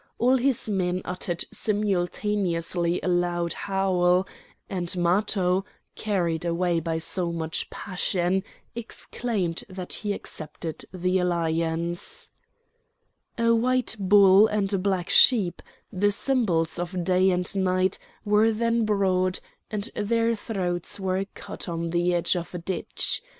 All his men uttered simultaneously a loud howl, and Matho, carried away by so much passion, exclaimed that he accepted the alliance. A white bull and a black sheep, the symbols of day and night, were then brought, and their throats were cut on the edge of a ditch.